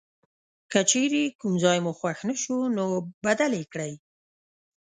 که چیرې کوم ځای مو خوښ نه شو نو بدل یې کړئ.